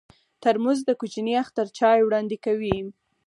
ترموز د کوچني اختر چای وړاندې کوي.